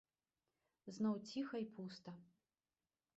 Зноў ціха й пуста.